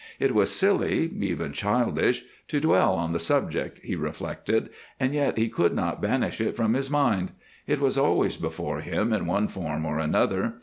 It was silly, even childish, to dwell on the subject, he reflected, and yet he could not banish it from his mind. It was always before him, in one form or another.